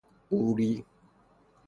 قوری